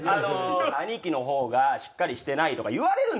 兄貴のほうがしっかりしてないとか言われるんですよ。